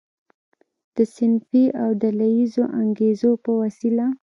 د صنفي او ډله ییزو انګیزو په وسیله.